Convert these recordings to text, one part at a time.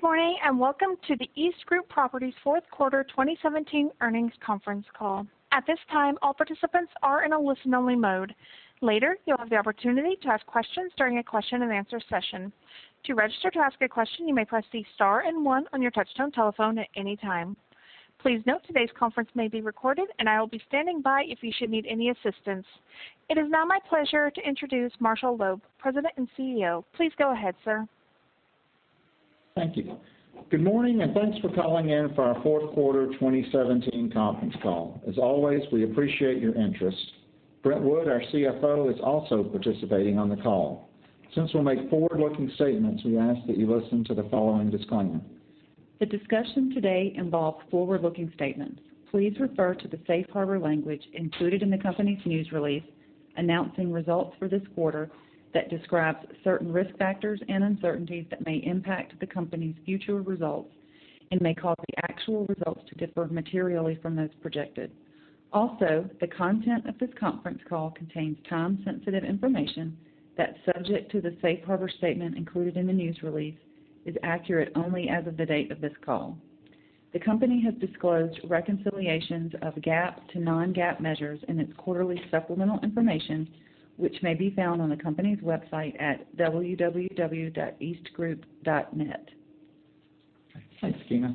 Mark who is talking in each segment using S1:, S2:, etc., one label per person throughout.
S1: Good morning, and welcome to the EastGroup Properties fourth quarter 2017 earnings conference call. At this time, all participants are in a listen-only mode. Later, you'll have the opportunity to ask questions during a question and answer session. To register to ask a question, you may press the star and one on your touchtone telephone at any time. Please note, today's conference may be recorded, and I will be standing by if you should need any assistance. It is now my pleasure to introduce Marshall Loeb, President and CEO. Please go ahead, sir.
S2: Thank you. Good morning, and thanks for calling in for our fourth quarter 2017 conference call. As always, we appreciate your interest. Brent Wood, our CFO, is also participating on the call. Since we'll make forward-looking statements, we ask that you listen to the following disclaimer.
S3: The discussion today involves forward-looking statements. Please refer to the safe harbor language included in the company's news release announcing results for this quarter that describes certain risk factors and uncertainties that may impact the company's future results and may cause the actual results to differ materially from those projected. Also, the content of this conference call contains time-sensitive information that, subject to the safe harbor statement included in the news release, is accurate only as of the date of this call. The company has disclosed reconciliations of GAAP to non-GAAP measures in its quarterly supplemental information, which may be found on the company's website at www.eastgroup.net.
S2: Thanks, Gina.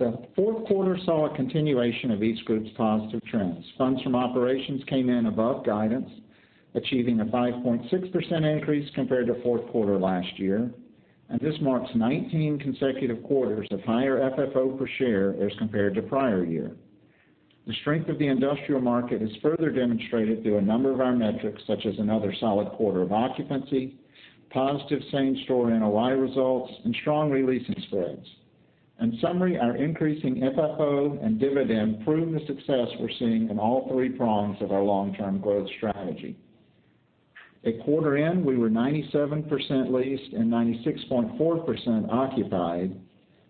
S2: The fourth quarter saw a continuation of EastGroup's positive trends. Funds from operations came in above guidance, achieving a 5.6% increase compared to fourth quarter last year. This marks 19 consecutive quarters of higher FFO per share as compared to prior year. The strength of the industrial market is further demonstrated through a number of our metrics, such as another solid quarter of occupancy, positive same-store NOI results, and strong re-leasing spreads. In summary, our increasing FFO and dividend prove the success we're seeing in all three prongs of our long-term growth strategy. At quarter end, we were 97% leased and 96.4% occupied.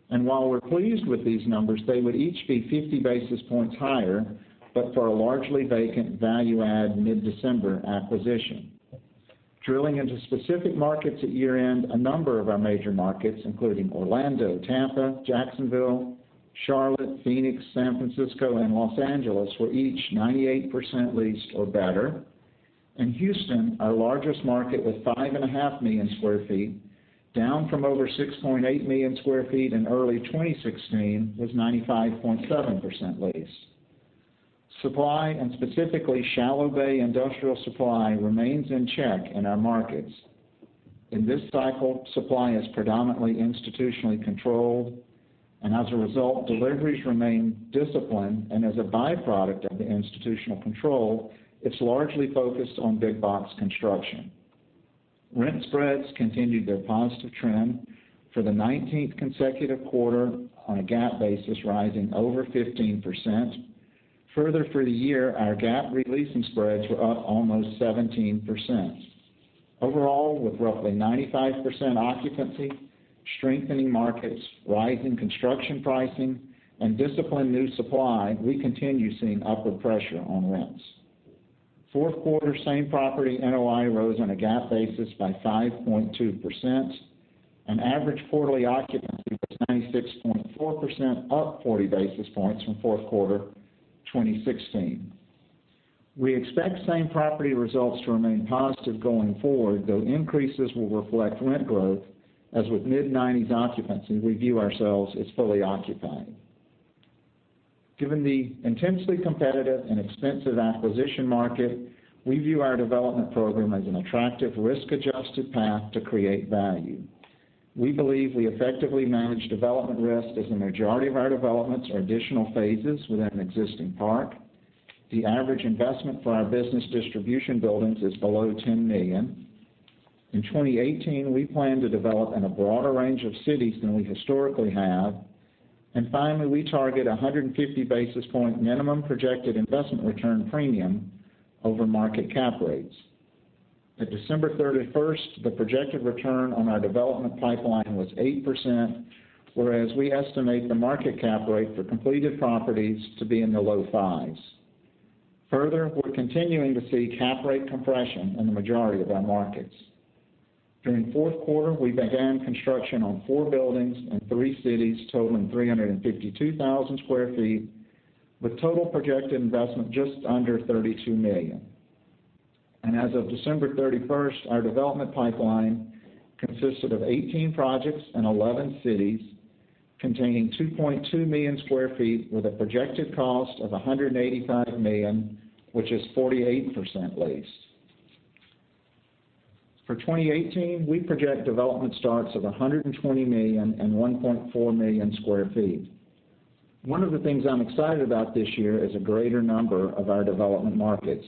S2: While we're pleased with these numbers, they would each be 50 basis points higher but for a largely vacant value-add mid-December acquisition. Drilling into specific markets at year-end, a number of our major markets, including Orlando, Tampa, Jacksonville, Charlotte, Phoenix, San Francisco, and Los Angeles, were each 98% leased or better. In Houston, our largest market with 5.5 million square feet, down from over 6.8 million square feet in early 2016, was 95.7% leased. Supply, and specifically shallow bay industrial supply, remains in check in our markets. In this cycle, supply is predominantly institutionally controlled. As a result, deliveries remain disciplined, and as a byproduct of the institutional control, it's largely focused on big box construction. Rent spreads continued their positive trend for the 19th consecutive quarter on a GAAP basis, rising over 15%. Further, for the year, our GAAP re-leasing spreads were up almost 17%. Overall, with roughly 95% occupancy, strengthening markets, rise in construction pricing, and disciplined new supply, we continue seeing upward pressure on rents. Fourth quarter same-property NOI rose on a GAAP basis by 5.2%, and average quarterly occupancy was 96.4%, up 40 basis points from fourth quarter 2016. We expect same-property results to remain positive going forward, though increases will reflect rent growth, as with mid-'90s occupancy, we view ourselves as fully occupied. Given the intensely competitive and expensive acquisition market, we view our development program as an attractive risk-adjusted path to create value. We believe we effectively manage development risk, as the majority of our developments are additional phases within an existing park. The average investment for our business distribution buildings is below $10 million. In 2018, we plan to develop in a broader range of cities than we historically have. Finally, we target 150 basis point minimum projected investment return premium over market cap rates. At December 31st, the projected return on our development pipeline was 8%, whereas we estimate the market cap rate for completed properties to be in the low fives. Further, we're continuing to see cap rate compression in the majority of our markets. During fourth quarter, we began construction on four buildings in three cities, totaling 352,000 square feet, with total projected investment just under $32 million. As of December 31st, our development pipeline consisted of 18 projects in 11 cities, containing 2.2 million square feet with a projected cost of $185 million, which is 48% leased. For 2018, we project development starts of $120 million and 1.4 million square feet. One of the things I'm excited about this year is a greater number of our development markets.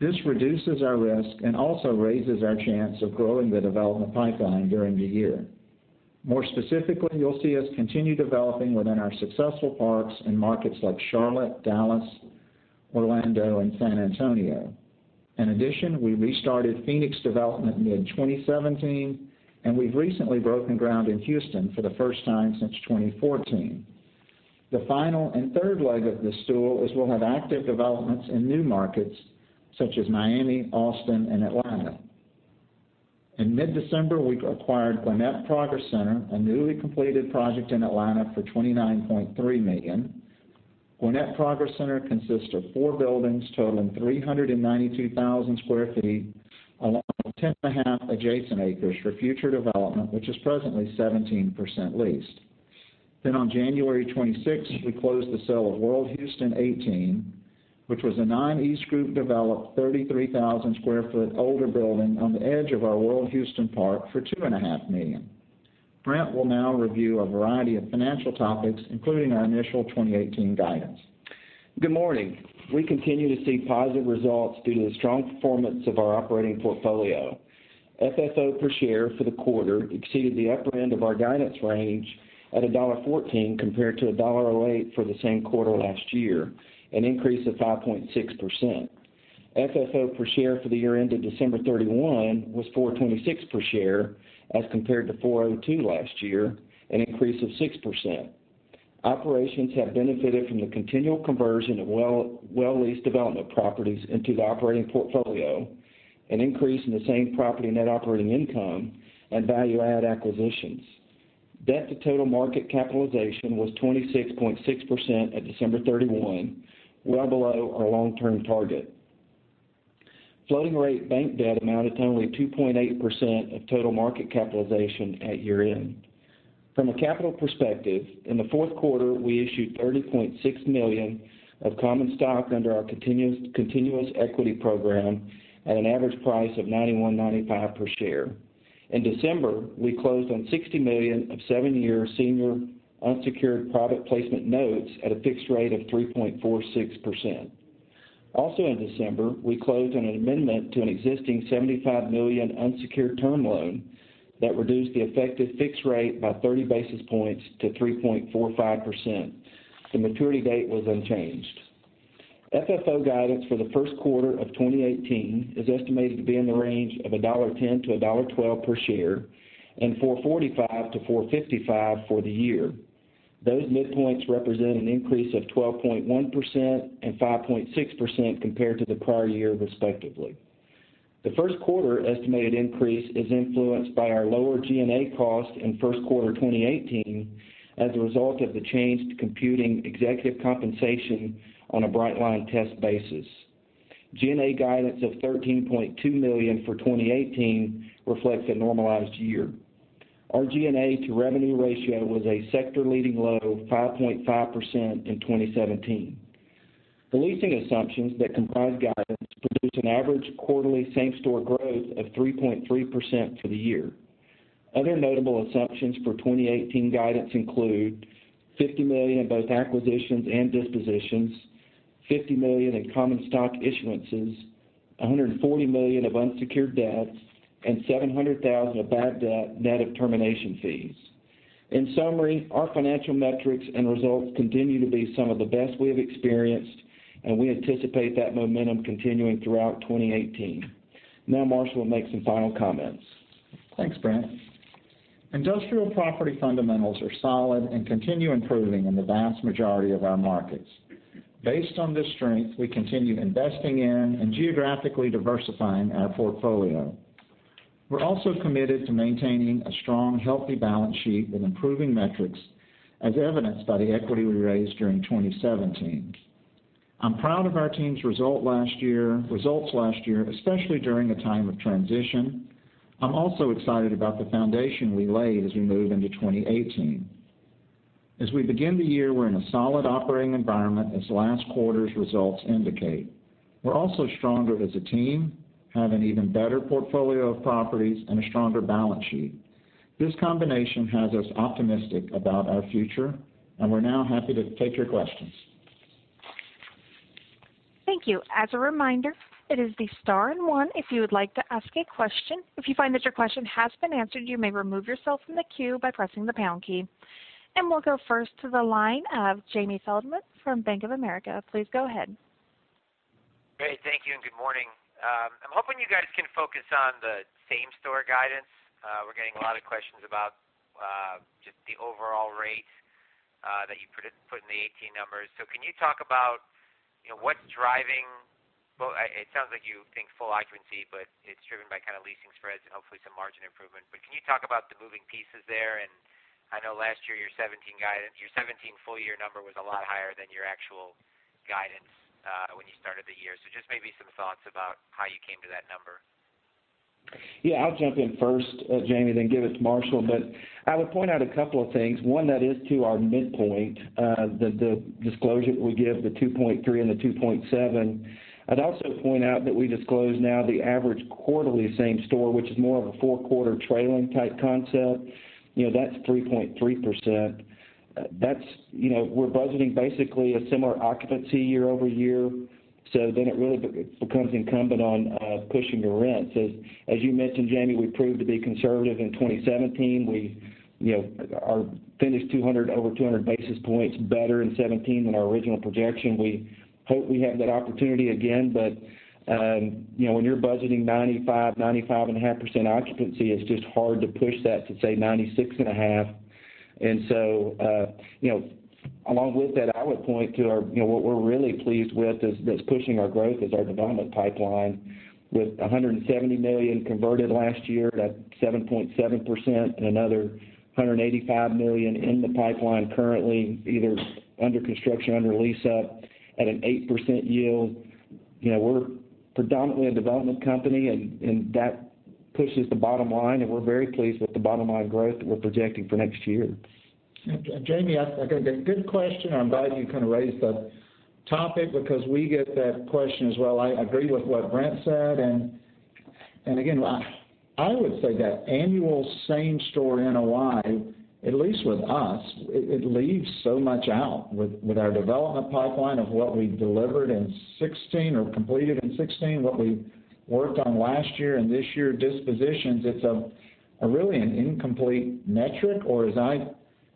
S2: This reduces our risk and also raises our chance of growing the development pipeline during the year. More specifically, you'll see us continue developing within our successful parks in markets like Charlotte, Dallas, Orlando, and San Antonio. In addition, we restarted Phoenix development mid-2017, and we've recently broken ground in Houston for the first time since 2014. The final and third leg of this stool is we'll have active developments in new markets such as Miami, Austin, and Atlanta. In mid-December, we acquired Gwinnett Progress Center, a newly completed project in Atlanta for $29.3 million. Gwinnett Progress Center consists of four buildings totaling 392,000 square feet along with 10.5 adjacent acres for future development, which is presently 17% leased. On January 26, we closed the sale of World Houston 18, which was an EastGroup-developed 33,000 square foot older building on the edge of our World Houston Park for $2.5 million. Brent Wood will now review a variety of financial topics, including our initial 2018 guidance.
S4: Good morning. We continue to see positive results due to the strong performance of our operating portfolio. FFO per share for the quarter exceeded the upper end of our guidance range at $1.14 compared to $1.08 for the same quarter last year, an increase of 5.6%. FFO per share for the year ended December 31 was $4.26 per share as compared to $4.02 last year, an increase of 6%. Operations have benefited from the continual conversion of well-leased development properties into the operating portfolio, an increase in the same-property net operating income and value-add acquisitions. Debt to total market capitalization was 26.6% at December 31, well below our long-term target. Floating rate bank debt amounted to only 2.8% of total market capitalization at year-end. From a capital perspective, in the fourth quarter, we issued $30.6 million of common stock under our continuous equity program at an average price of $91.95 per share. In December, we closed on $60 million of seven-year senior unsecured private placement notes at a fixed rate of 3.46%. In December, we closed on an amendment to an existing $75 million unsecured term loan that reduced the effective fixed rate by 30 basis points to 3.45%. The maturity date was unchanged. FFO guidance for the first quarter of 2018 is estimated to be in the range of $1.10-$1.12 per share and $4.45-$4.55 for the year. Those midpoints represent an increase of 12.1% and 5.6% compared to the prior year respectively. The first quarter estimated increase is influenced by our lower G&A cost in first quarter 2018 as a result of the change to computing executive compensation on a bright line test basis. G&A guidance of $13.2 million for 2018 reflects a normalized year. Our G&A to revenue ratio was a sector-leading low of 5.5% in 2017. The leasing assumptions that comprise guidance produce an average quarterly same-store growth of 3.3% for the year. Other notable assumptions for 2018 guidance include $50 million in both acquisitions and dispositions, $50 million in common stock issuances, $140 million of unsecured debts, and $700,000 of bad debt net of termination fees. In summary, our financial metrics and results continue to be some of the best we have experienced. We anticipate that momentum continuing throughout 2018. Marshall Loeb will make some final comments.
S2: Thanks, Brent. Industrial property fundamentals are solid and continue improving in the vast majority of our markets. Based on this strength, we continue investing in and geographically diversifying our portfolio. We're also committed to maintaining a strong, healthy balance sheet with improving metrics, as evidenced by the equity we raised during 2017. I'm proud of our team's results last year, especially during a time of transition. I'm also excited about the foundation we laid as we move into 2018. As we begin the year, we're in a solid operating environment, as last quarter's results indicate. We're also stronger as a team, have an even better portfolio of properties, and a stronger balance sheet. This combination has us optimistic about our future, and we're now happy to take your questions.
S1: Thank you. As a reminder, it is the star and one if you would like to ask a question. If you find that your question has been answered, you may remove yourself from the queue by pressing the pound key. We'll go first to the line of Jamie Feldman from Bank of America. Please go ahead.
S5: Great. Thank you, and good morning. I'm hoping you guys can focus on the same-store guidance. We're getting a lot of questions about just the overall rate that you put in the 2018 numbers. Can you talk about what's driving Well, it sounds like you think full occupancy, but it's driven by kind of leasing spreads and hopefully some margin improvement. Can you talk about the moving pieces there? I know last year your 2017 full year number was a lot higher than your actual guidance when you started the year. Just maybe some thoughts about how you came to that number.
S4: Yeah. I'll jump in first, Jamie, then give it to Marshall. I would point out a couple of things. One, that is to our midpoint, the disclosure that we give, the 2.3% and the 2.7%. I'd also point out that we disclose now the average quarterly same-store, which is more of a four-quarter trailing type concept. That's 3.3%. We're budgeting basically a similar occupancy year-over-year. It really becomes incumbent on pushing the rents. As you mentioned, Jamie, we proved to be conservative in 2017. We finished over 200 basis points better in 2017 than our original projection. We hope we have that opportunity again. When you're budgeting 95%, 95.5% occupancy, it's just hard to push that to, say, 96.5%. Along with that, I would point to what we're really pleased with that's pushing our growth is our development pipeline. With $170 million converted last year, that is 7.7%, and another $185 million in the pipeline currently, either under construction or under lease up at an 8% yield. We are predominantly a development company, and that pushes the bottom line, and we are very pleased with the bottom-line growth that we are projecting for next year.
S2: Jamie, good question. I am glad you raised the topic because we get that question as well. I agree with what Brent said. Again, I would say that annual same-store NOI, at least with us, it leaves so much out with our development pipeline of what we delivered in 2016 or completed in 2016, what we worked on last year and this year, dispositions. It is really an incomplete metric, or as I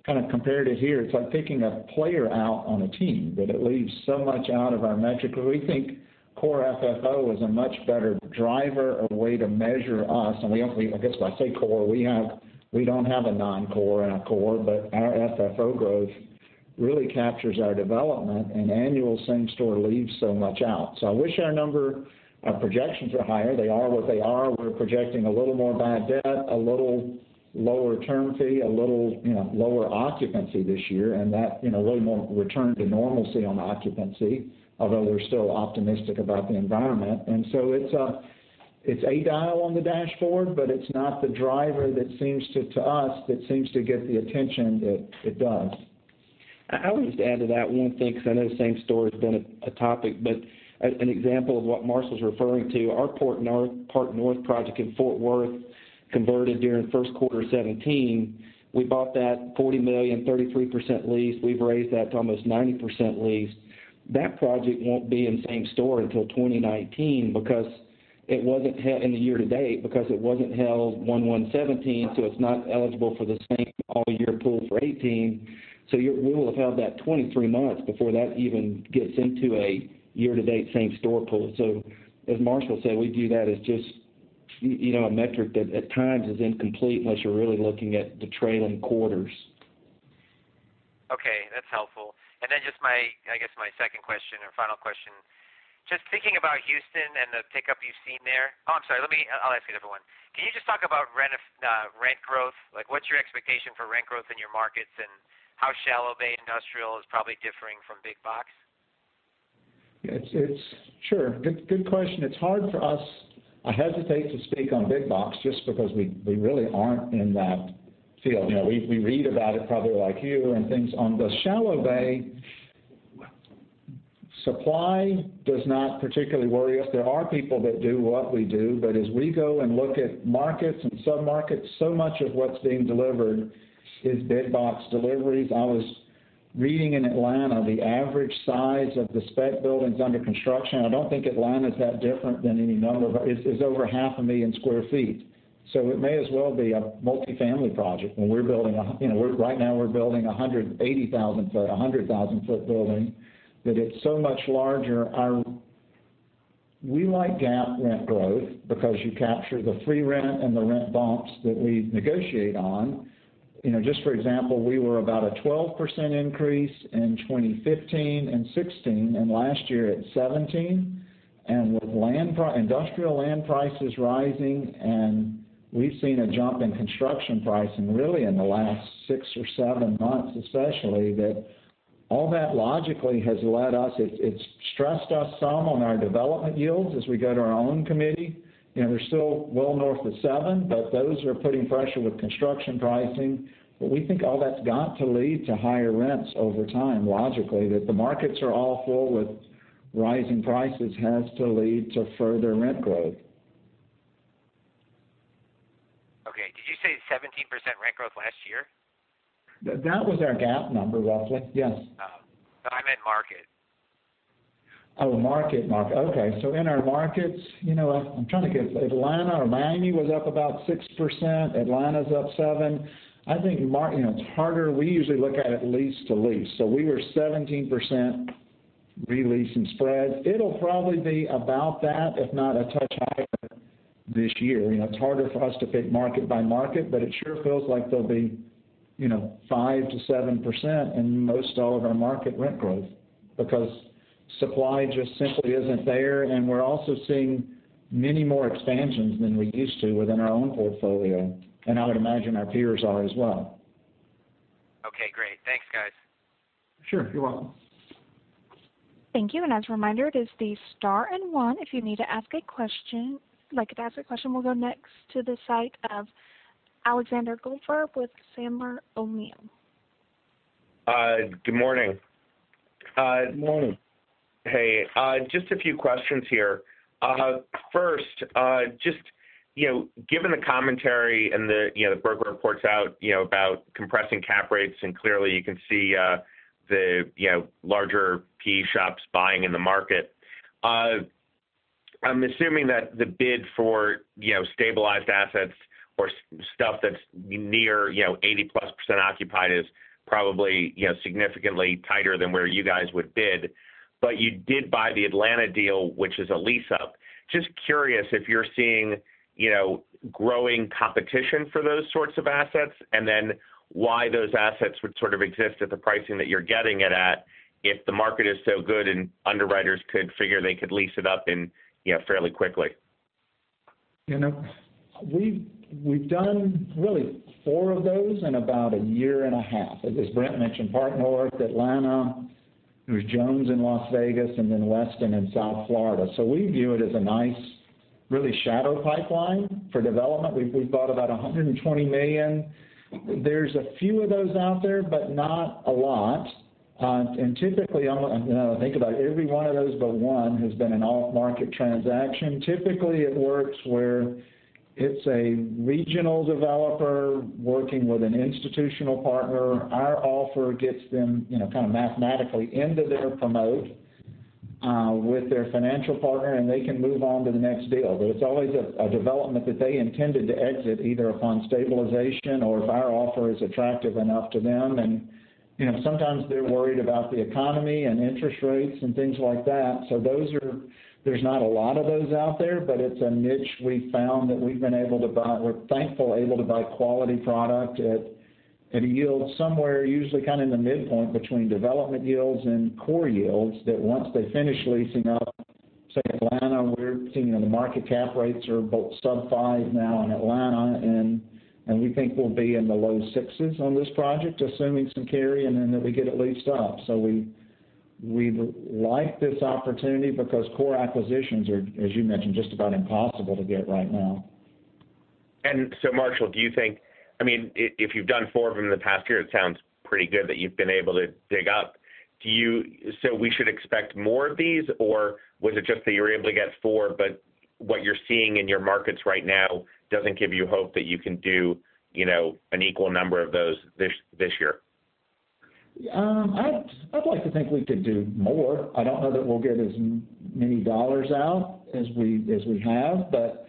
S2: compare it to here, it is like picking a player out on a team, that it leaves so much out of our metric. We think core FFO is a much better driver or way to measure us. I guess if I say core, we do not have a non-core and a core. Our FFO growth really captures our development, and annual same-store leaves so much out. I wish our number. Our projections are higher. They are what they are. We are projecting a little more bad debt, a little lower term fee, a little lower occupancy this year, a little more return to normalcy on occupancy, although we are still optimistic about the environment. It is a dial on the dashboard, but it is not the driver that, to us, seems to get the attention that it does.
S4: I would just add to that one thing. I know same-store has been a topic. An example of what Marshall is referring to. Our Park North project in Fort Worth converted during first quarter 2017. We bought that $40 million, 33% leased. We have raised that to almost 90% leased. That project won't be in same-store until 2019 because it wasn't hit in the year-to-date because it wasn't held 1/1/2017. It is not eligible for the same all-year pool for 2018. We will have held that 23 months before that even gets into a year-to-date same-store pool. As Marshall said, we view that as just a metric that at times is incomplete unless you are really looking at the trailing quarters.
S5: Okay, that's helpful. Just my second question or final question. Just thinking about Houston and the pickup you've seen there. Oh, I'm sorry. I'll ask a different one. Can you just talk about rent growth? What's your expectation for rent growth in your markets, and how shallow bay industrial is probably differing from big box?
S2: Sure. Good question. It's hard for us. I hesitate to speak on big box just because we really aren't in that field. We read about it probably like you and things. On the shallow bay, supply does not particularly worry us. There are people that do what we do, but as we go and look at markets and sub-markets, so much of what's being delivered is big box deliveries. I was reading in Atlanta, the average size of the spec buildings under construction, I don't think Atlanta's that different than any number, is over half a million sq ft. So it may as well be a multi-family project. Right now, we're building a 180,000-foot, 100,000-foot building, that it's so much larger. We like GAAP rent growth because you capture the free rent and the rent bumps that we negotiate on. Just for example, we were about a 12% increase in 2015 and 2016, and last year at 2017. With industrial land prices rising, and we've seen a jump in construction pricing really in the last six or seven months especially, that all that logically has led us, it's stressed us some on our development yields as we go to our own committee. We're still well north of seven, but those are putting pressure with construction pricing. We think all that's got to lead to higher rents over time, logically, that the markets are all full with rising prices, has to lead to further rent growth.
S5: Okay. Did you say 17% rent growth last year?
S2: That was our GAAP number, roughly. Yes.
S5: Oh. No, I meant market.
S2: Oh, market. Okay. In our markets, I'm trying to get Atlanta or Miami was up about 6%. Atlanta's up 7%. I think it's harder. We usually look at it lease to lease. We were 17% re-lease and spread. It'll probably be about that, if not a touch higher this year. It's harder for us to pick market by market, but it sure feels like there'll be 5%-7% in most all of our market rent growth because supply just simply isn't there, and we're also seeing many more expansions than we used to within our own portfolio, and I would imagine our peers are as well.
S5: Okay, great. Thanks, guys.
S2: Sure. You're welcome.
S1: Thank you. As a reminder, it is the star and one if you'd like to ask a question. We'll go next to the site of Alexander Goldfarb with Sandler O'Neill.
S6: Good morning.
S2: Morning.
S6: Hey. Just a few questions here. First, just given the commentary and the broker reports out about compressing cap rates, clearly you can see the larger PE shops buying in the market. I'm assuming that the bid for stabilized assets or stuff that's near 80-plus % occupied is probably significantly tighter than where you guys would bid. But you did buy the Atlanta deal, which is a lease-up. Just curious if you're seeing growing competition for those sorts of assets, then why those assets would sort of exist at the pricing that you're getting it at if the market is so good and underwriters could figure they could lease it up fairly quickly.
S2: We've done really four of those in about a year and a half. As Brent mentioned, Park North, Atlanta. There's Jones in Las Vegas, and then Weston in South Florida. We view it as a nice, really shadow pipeline for development. We've bought about $120 million. There's a few of those out there, but not a lot. Typically, now that I think about it, every one of those but one has been an off-market transaction. Typically, it works where it's a regional developer working with an institutional partner. Our offer gets them mathematically into their promote with their financial partner, and they can move on to the next deal. It's always a development that they intended to exit, either upon stabilization or if our offer is attractive enough to them. Sometimes they're worried about the economy and interest rates and things like that. There's not a lot of those out there, but it's a niche we've found that we're thankfully able to buy quality product at a yield somewhere usually in the midpoint between development yields and core yields. That once they finish leasing up, say, Atlanta, we're seeing the market cap rates are both sub five now in Atlanta, and we think we'll be in the low sixes on this project, assuming some carry, and then that we get it leased up. We like this opportunity because core acquisitions are, as you mentioned, just about impossible to get right now.
S6: Marshall, do you think If you've done four of them in the past year, it sounds pretty good that you've been able to dig up. We should expect more of these, or was it just that you were able to get four, but what you're seeing in your markets right now doesn't give you hope that you can do an equal number of those this year?
S2: I'd like to think we could do more. I don't know that we'll get as many dollars out as we have, but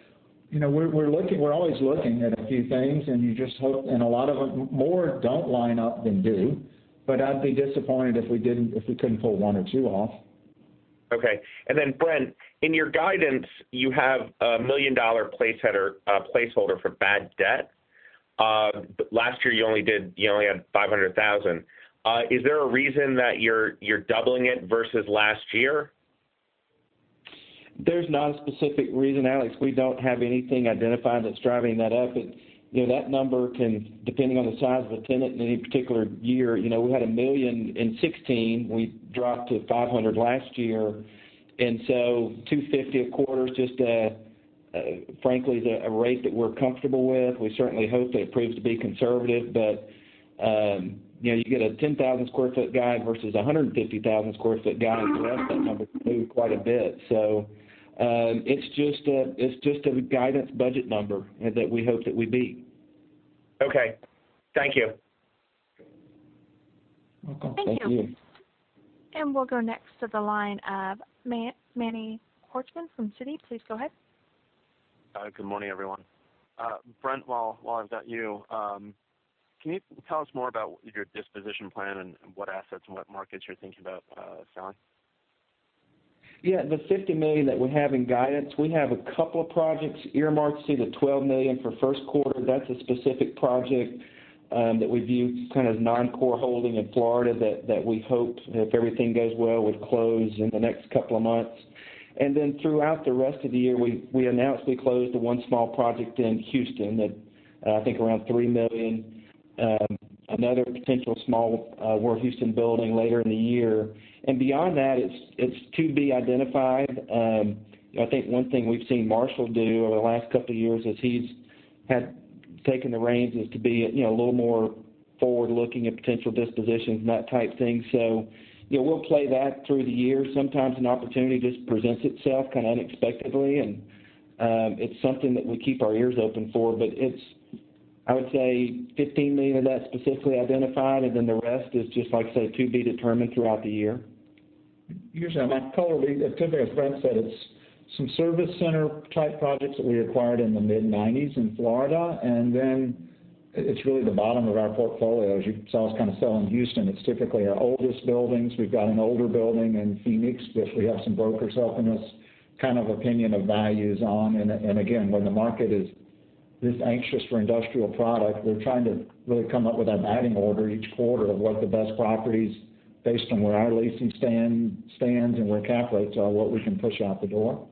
S2: we're always looking at a few things, and a lot of them More don't line up than do. I'd be disappointed if we couldn't pull one or two off.
S6: Okay. Brent, in your guidance, you have a $1 million placeholder for bad debt. Last year, you only had $500,000. Is there a reason that you're doubling it versus last year?
S4: There's not a specific reason, Alex. We don't have anything identified that's driving that up. That number can, depending on the size of a tenant in any particular year. We had $1 million in 2016. We dropped to $500,000 last year. $250,000 a quarter is just, frankly, a rate that we're comfortable with. We certainly hope that it proves to be conservative, but you get a 10,000 sq ft guy versus 150,000 sq ft guy, and that number can move quite a bit. It's just a guidance budget number that we hope that we beat.
S6: Okay. Thank you.
S4: You're welcome.
S2: Thank you.
S1: Thank you. We'll go next to the line of Manny Korchman from Citi. Please go ahead.
S7: Good morning, everyone. Brent, while I've got you, can you tell us more about your disposition plan and what assets and what markets you're thinking about selling?
S4: Yeah. The $50 million that we have in guidance, we have a couple of projects earmarked, say, the $12 million for first quarter. That's a specific project that we view kind of non-core holding in Florida that we hope, if everything goes well, would close in the next couple of months. Throughout the rest of the year, we announced we closed the one small project in Houston that, I think around $3 million. Another potential small, we're a Houston building, later in the year. Beyond that, it's to be identified. I think one thing we've seen Marshall do over the last couple of years as he's had taken the reins is to be a little more forward-looking at potential dispositions and that type thing. We'll play that through the year. Sometimes an opportunity just presents itself kind of unexpectedly, and it's something that we keep our ears open for. It's, I would say $15 million of that specifically identified, and then the rest is just, like I say, to be determined throughout the year.
S2: Here's how I color these. Typically, as Brent Wood said, it's some service center-type projects that we acquired in the mid-1990s in Florida, then it's really the bottom of our portfolio. As you saw us kind of sell in Houston, it's typically our oldest buildings. We've got an older building in Phoenix, which we have some brokers helping us kind of opinion of values on. Again, when the market is this anxious for industrial product, we're trying to really come up with that batting order each quarter of what the best properties, based on where our leasing stands and where cap rates are, what we can push out the door.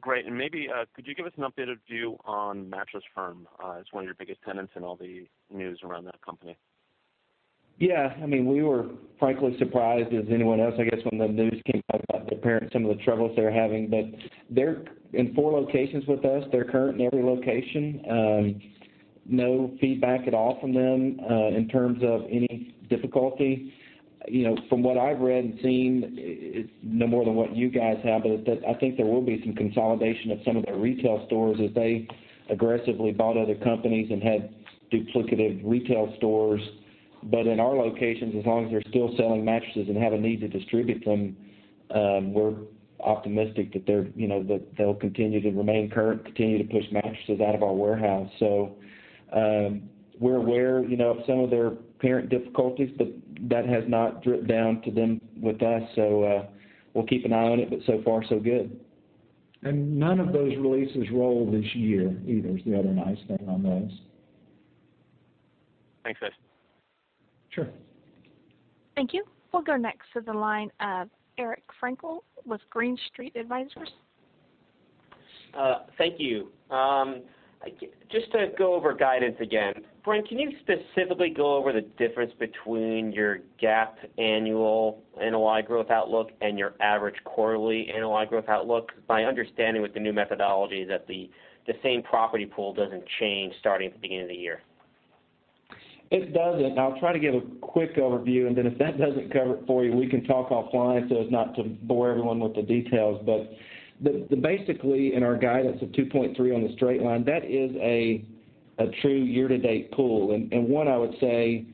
S7: Great. Maybe, could you give us an updated view on Mattress Firm as one of your biggest tenants and all the news around that company?
S4: Yeah. We were frankly surprised as anyone else, I guess, when the news came out about their parent, some of the troubles they were having. They're in four locations with us. They're current in every location. No feedback at all from them in terms of any difficulty. From what I've read and seen, it's no more than what you guys have, I think there will be some consolidation of some of their retail stores as they aggressively bought other companies and had duplicative retail stores. In our locations, as long as they're still selling mattresses and have a need to distribute them, we're optimistic that they'll continue to remain current, continue to push mattresses out of our warehouse. We're aware of some of their parent difficulties, but that has not dripped down to them with us. We'll keep an eye on it, but so far so good.
S2: None of those leases roll this year either, is the other nice thing on those.
S7: Thanks, guys.
S2: Sure.
S1: Thank you. We'll go next to the line of Eric Frankel with Green Street Advisors.
S8: Thank you. Just to go over guidance again. Frank, can you specifically go over the difference between your GAAP annual NOI growth outlook and your average quarterly NOI growth outlook? My understanding with the new methodology is that the same property pool doesn't change starting at the beginning of the year.
S4: It doesn't. I'll try to give a quick overview. Then if that doesn't cover it for you, we can talk offline so as not to bore everyone with the details. Basically, in our guidance of 2.3 on the straight line, that is a true year-to-date pool. One, I would say,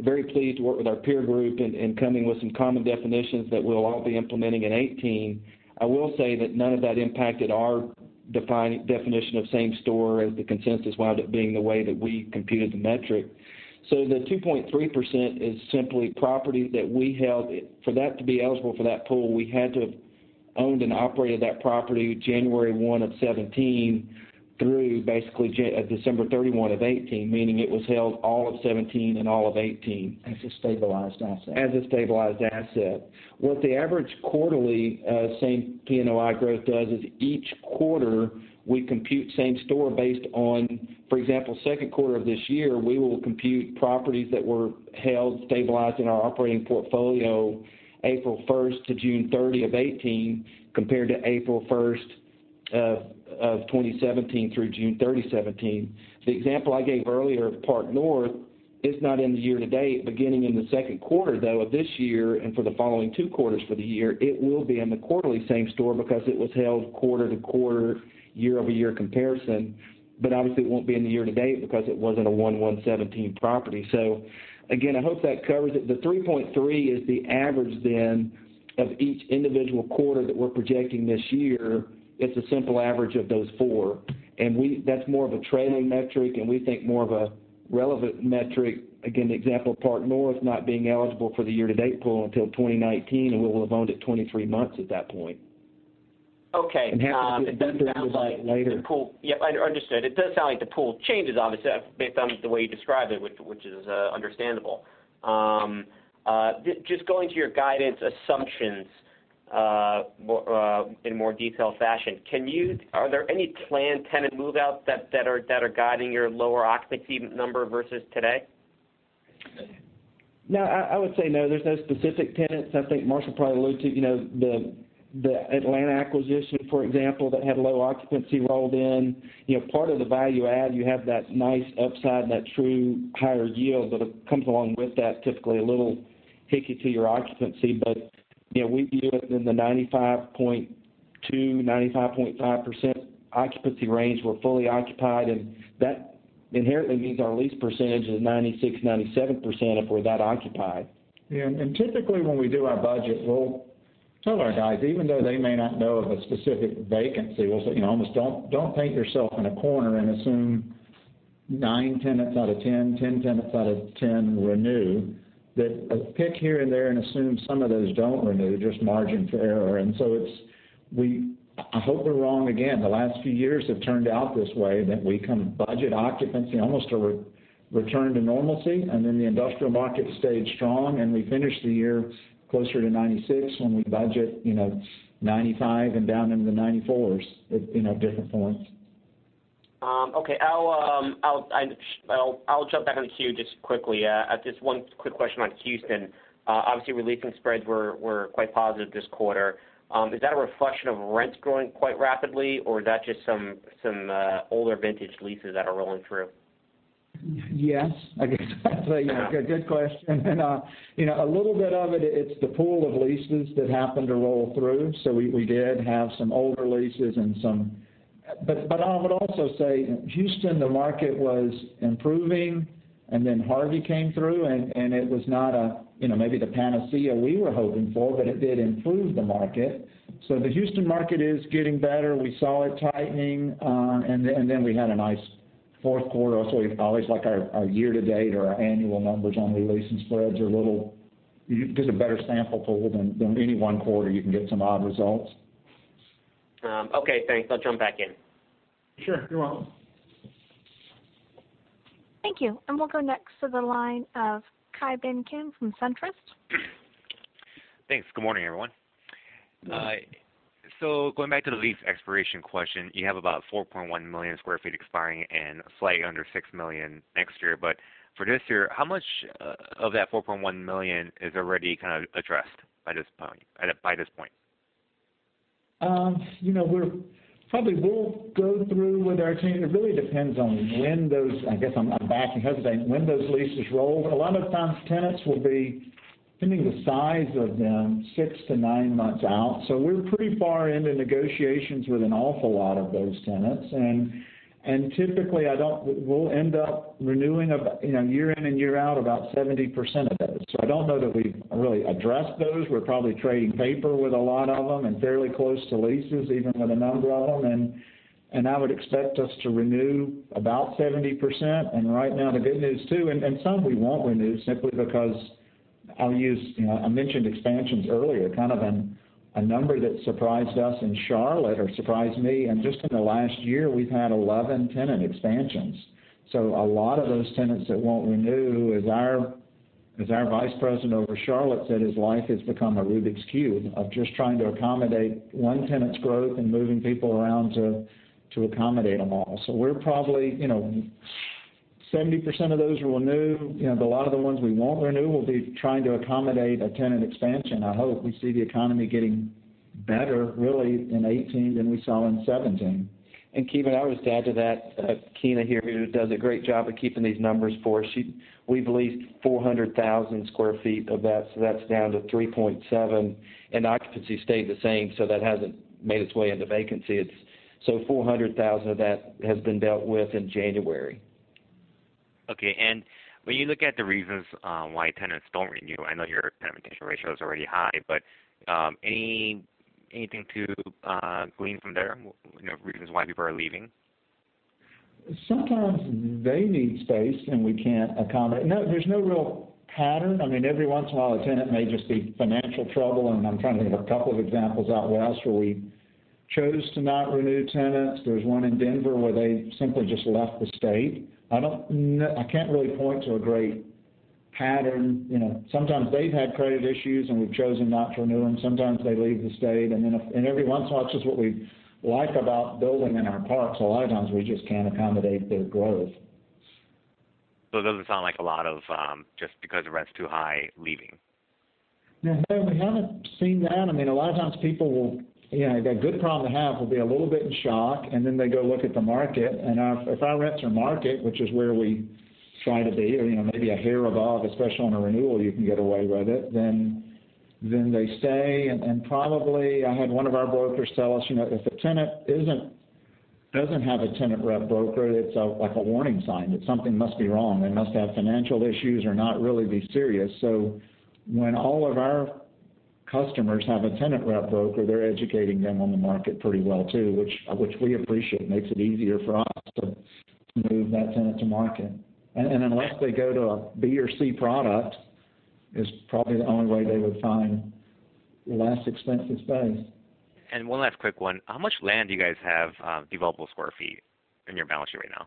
S4: very pleased to work with our peer group in coming with some common definitions that we'll all be implementing in 2018. I will say that none of that impacted our definition of same store as the consensus wound up being the way that we computed the metric. The 2.3% is simply property that we held. For that to be eligible for that pool, we had to have owned and operated that property January 1 of 2017 through basically December 31 of 2018, meaning it was held all of 2017 and all of 2018.
S2: As a stabilized asset.
S4: As a stabilized asset. What the average quarterly same PNOI growth does is each quarter we compute same store based on, for example, second quarter of this year, we will compute properties that were held, stabilized in our operating portfolio April 1 to June 30 of 2018 compared to April 1 of 2017 through June 30, 2017. The example I gave earlier of Park North, it's not in the year to date. Beginning in the second quarter, though, of this year, and for the following two quarters for the year, it will be in the quarterly same store because it was held quarter to quarter, year-over-year comparison. Obviously it won't be in the year to date because it wasn't a 1/1/2017 property. Again, I hope that covers it. The 3.3 is the average then of each individual quarter that we're projecting this year. It's a simple average of those four, and that's more of a trailing metric and we think more of a relevant metric. Again, the example of Park North not being eligible for the year-to-date pool until 2019, and we will have owned it 23 months at that point.
S8: Okay.
S4: Have to get deeper into it later.
S8: Yep, understood. It does sound like the pool changes, obviously, based on the way you described it, which is understandable. Just going to your guidance assumptions in more detailed fashion. Are there any planned tenant move-outs that are guiding your lower occupancy number versus today?
S4: No, I would say no, there's no specific tenants. I think Marshall probably alluded to the Atlanta acquisition, for example, that had low occupancy rolled in. Part of the value-add, you have that nice upside and that true higher yield, but it comes along with that, typically a little hickey to your occupancy. We view it in the 95.2, 95.5% occupancy range. We're fully occupied, and that inherently means our lease percentage is 96, 97% if we're that occupied.
S2: Typically when we do our budget, we'll tell our guys, even though they may not know of a specific vacancy, we'll say, almost don't paint yourself in a corner and assume nine tenants out of 10 tenants out of 10 renew. Pick here and there and assume some of those don't renew, just margin for error. I hope we're wrong again. The last few years have turned out this way, that we come budget occupancy almost a return to normalcy, and then the industrial market stayed strong and we finished the year closer to 96 when we budget 95 and down into the 94s in our different forms.
S8: Okay. I'll jump back in the queue just quickly. Just one quick question on Houston. Obviously, re-leasing spreads were quite positive this quarter. Is that a reflection of rents growing quite rapidly, or is that just some older vintage leases that are rolling through?
S2: Yes, good question. A little bit of it's the pool of leases that happen to roll through. We did have some older leases. I would also say Houston, the market was improving, and then Harvey came through, and it was not maybe the panacea we were hoping for, but it did improve the market. The Houston market is getting better. We saw it tightening, and then we had a nice fourth quarter. Also, always like our year to date or our annual numbers on re-leasing spreads are a little just a better sample pool than any one quarter. You can get some odd results.
S8: Okay, thanks. I'll jump back in.
S2: Sure. You're welcome.
S1: Thank you. We'll go next to the line of Ki Bin Kim from SunTrust.
S9: Thanks. Good morning, everyone.
S2: Good morning.
S9: Going back to the lease expiration question, you have about 4.1 million sq ft expiring and slightly under 6 million next year. For this year, how much of that 4.1 million is already kind of addressed by this point?
S2: Probably we'll go through with our team. It really depends on when those, I guess I'm back to hesitating, when those leases roll. A lot of times tenants will be, depending the size of them, six to nine months out. We're pretty far into negotiations with an awful lot of those tenants, and typically, we'll end up renewing, year in and year out, about 70% of those. I don't know that we've really addressed those. We're probably trading paper with a lot of them and fairly close to leases, even with a number of them. I would expect us to renew about 70%. Right now, the good news, too, and some we won't renew simply because I'll use, I mentioned expansions earlier, kind of a number that surprised us in Charlotte or surprised me, and just in the last year, we've had 11 tenant expansions. A lot of those tenants that won't renew, as our vice president over Charlotte said, his life has become a Rubik's cube of just trying to accommodate one tenant's growth and moving people around to accommodate them all. We're probably 70% of those will renew. A lot of the ones we won't renew, we'll be trying to accommodate a tenant expansion, I hope. We see the economy getting better really in 2018 than we saw in 2017.
S4: Ki Bin, I always add to that, Keena here, who does a great job of keeping these numbers for us. We've leased 400,000 sq ft of that's down to 3.7, and occupancy stayed the same, that hasn't made its way into vacancy. 400,000 of that has been dealt with in January.
S9: When you look at the reasons why tenants don't renew, I know your tenant retention ratio is already high. Anything to glean from there? Reasons why people are leaving.
S2: Sometimes they need space, and we can't accommodate. No, there's no real pattern. Every once in a while, a tenant may just be in financial trouble, and I'm trying to think of a couple of examples out west where we chose to not renew tenants. There's one in Denver where they simply just left the state. I can't really point to a great pattern. Sometimes they've had credit issues, and we've chosen not to renew, and sometimes they leave the state. Every once in a while, which is what we like about building in our parks, a lot of times we just can't accommodate their growth.
S9: It doesn't sound like a lot of, just because the rent's too high, leaving.
S2: No, we haven't seen that. A lot of times people will A good problem to have will be a little bit in shock, and then they go look at the market. If our rents are market, which is where we try to be, or maybe a hair above, especially on a renewal, you can get away with it, then they stay. Probably, I had one of our brokers tell us, if a tenant doesn't have a tenant rep broker, it's like a warning sign that something must be wrong. They must have financial issues or not really be serious. When all of our customers have a tenant rep broker, they're educating them on the market pretty well too, which we appreciate. Makes it easier for us to move that tenant to market. Unless they go to a B or C product, is probably the only way they would find less expensive space.
S9: One last quick one. How much land do you guys have, developable square feet, in your balance sheet right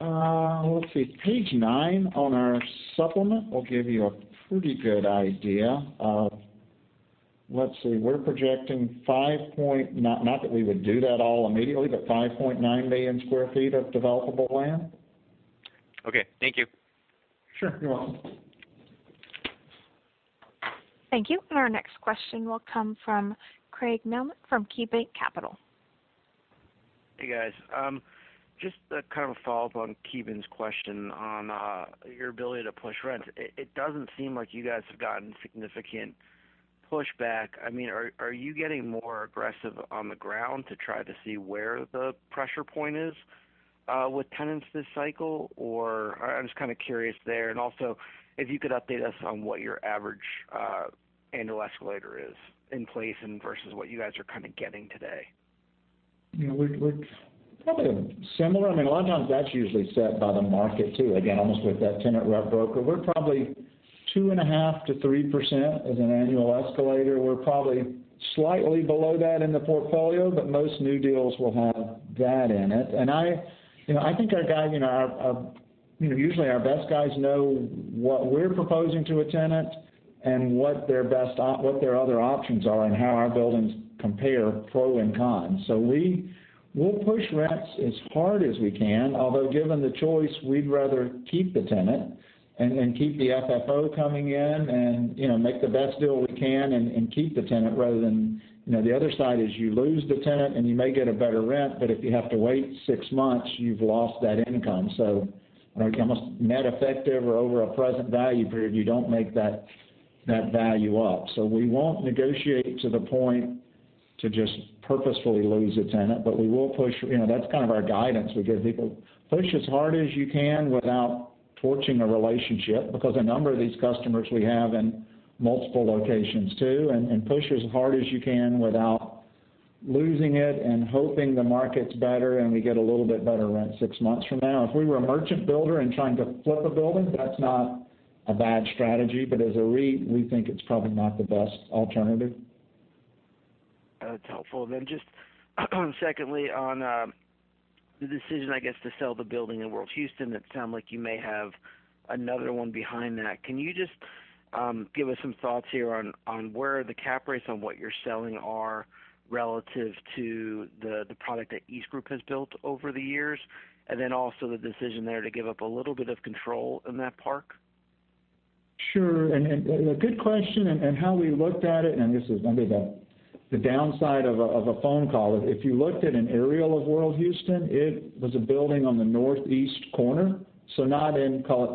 S9: now?
S2: Let's see. Page nine on our supplement will give you a pretty good idea. Let's see. We're projecting, not that we would do that all immediately, but 5.9 million sq ft of developable land.
S9: Okay. Thank you.
S2: Sure. You're welcome.
S1: Thank you. Our next question will come from Craig Mailman from KeyBanc Capital.
S10: Hey, guys. Just a kind of follow-up on Ki Bin's question on your ability to push rent. It doesn't seem like you guys have gotten significant pushback. Are you getting more aggressive on the ground to try to see where the pressure point is with tenants this cycle, or I'm just kind of curious there. Also, if you could update us on what your average annual escalator is in place and versus what you guys are kind of getting today.
S2: Yeah, we're probably similar. A lot of times that's usually set by the market too. Again, almost with that tenant rep broker. We're probably 2.5%-3% as an annual escalator. We're probably slightly below that in the portfolio, but most new deals will have that in it. I think our guy, usually our best guys know what we're proposing to a tenant and what their other options are and how our buildings compare, pro and con. We will push rents as hard as we can. Although given the choice, we'd rather keep the tenant and keep the FFO coming in and make the best deal we can and keep the tenant, rather than, the other side is you lose the tenant, and you may get a better rent, but if you have to wait six months, you've lost that income. Almost net effective or over a present value period, you don't make that value up. We won't negotiate to the point to just purposefully lose a tenant, but we will push. That's kind of our guidance we give people. Push as hard as you can without torching a relationship, because a number of these customers we have in multiple locations too, and push as hard as you can without losing it and hoping the market's better and we get a little bit better rent six months from now. If we were a merchant builder and trying to flip a building, that's not a bad strategy. As a REIT, we think it's probably not the best alternative.
S10: That's helpful. Just secondly, on the decision, I guess, to sell the building in World Houston, it sound like you may have another one behind that. Can you just give us some thoughts here on where the cap rates on what you're selling are relative to the product that EastGroup has built over the years, and also the decision there to give up a little bit of control in that park?
S2: Sure. A good question, and how we looked at it, and this is maybe the downside of a phone call. If you looked at an aerial of World Houston, it was a building on the northeast corner, so not in, call it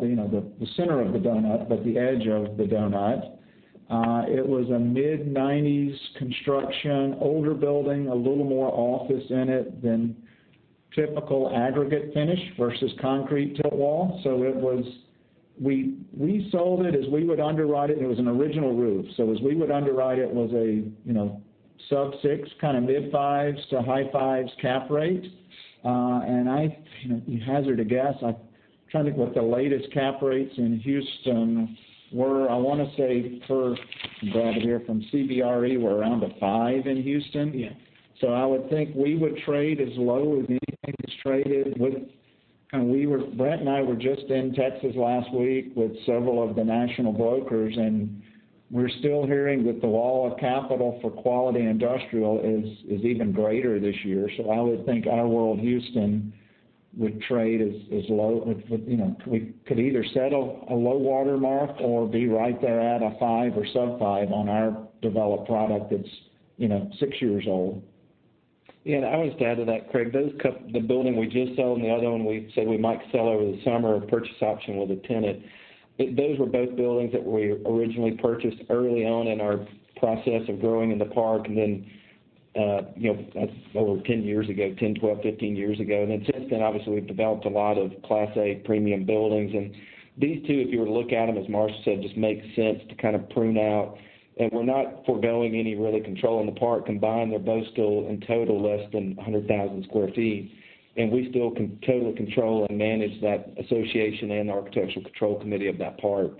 S2: the center of the doughnut, but the edge of the doughnut. It was a mid-'90s construction, older building, a little more office in it than typical aggregate finish versus concrete tilt wall. We sold it as we would underwrite it. It was an original roof. As we would underwrite it was a sub-six, kind of mid-fives to high-fives cap rate. I hazard a guess, I'm trying to think what the latest cap rates in Houston were. I want to say per, I'm grabbing here from CBRE, we're around a five in Houston. Yeah. I would think we would trade as low as anything that's traded with. Brent and I were just in Texas last week with several of the national brokers, and we're still hearing that the wall of capital for quality industrial is even greater this year. I would think our World Houston would trade as low. We could either set a low water mark or be right there at a five or sub-five on our developed product that's six years old.
S4: Yeah. I would just add to that, Craig, the building we just sold, and the other one we said we might sell over the summer, a purchase option with a tenant. Those were both buildings that we originally purchased early on in our process of growing in the park, then that's over 10 years ago, 10, 12, 15 years ago. Then since then, obviously, we've developed a lot of class A premium buildings. These two, if you were to look at them, as Marshall said, just make sense to kind of prune out. We're not foregoing any really control in the park. Combined, they're both still in total less than 100,000 sq ft, and we still totally control and manage that association and architectural control committee of that park.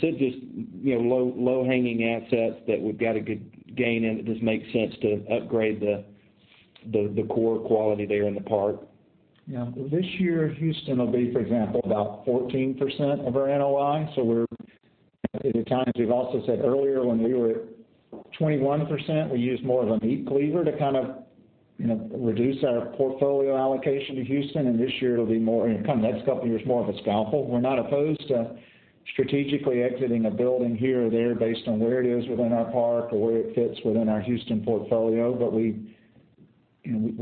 S4: Just low hanging assets that we've got a good gain in, it just makes sense to upgrade the core quality there in the park.
S2: Yeah. This year, Houston will be, for example, about 14% of our NOI. We're, at times, we've also said earlier when we were at 21%, we used more of a meat cleaver to kind of reduce our portfolio allocation to Houston, and this year, it'll be more, kind of the next couple of years, more of a scalpel. We're not opposed to strategically exiting a building here or there based on where it is within our park or where it fits within our Houston portfolio. We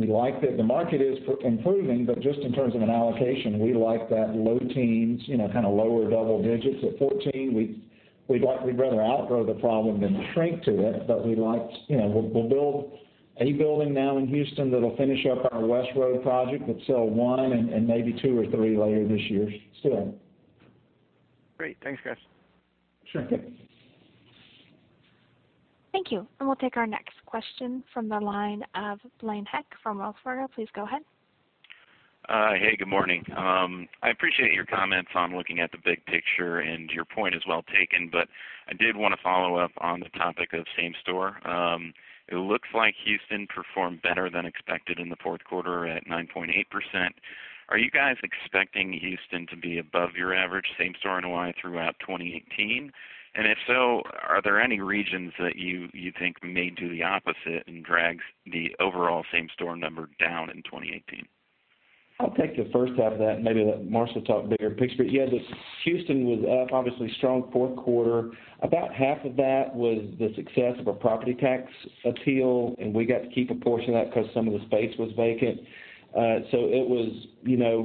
S2: like that the market is improving, but just in terms of an allocation, we like that low teens, kind of lower double digits. At 14, we'd rather outgrow the problem than shrink to it, but we'll build a building now in Houston that'll finish up our West Road project. We'll sell one and maybe two or three later this year still.
S10: Great. Thanks, guys.
S2: Sure.
S4: Yeah.
S1: Thank you. We'll take our next question from the line of Blaine Heck from Wells Fargo. Please go ahead.
S11: Hey, good morning. I appreciate your comments on looking at the big picture, and your point is well taken, but I did want to follow up on the topic of same-store. It looks like Houston performed better than expected in the fourth quarter at 9.8%. Are you guys expecting Houston to be above your average same-store NOI throughout 2018? If so, are there any regions that you think may do the opposite and drag the overall same-store number down in 2018?
S4: I'll take the first half of that and maybe let Marshall talk bigger picture. Yeah, Houston was up, obviously strong fourth quarter. About half of that was the success of a property tax appeal, and we got to keep a portion of that because some of the space was vacant. It was